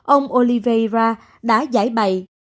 ông oliveria đã giải bày